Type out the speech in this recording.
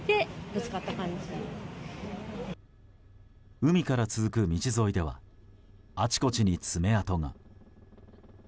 海から続く道沿いではあちこちに爪痕が。